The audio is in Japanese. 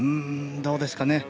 どうですかね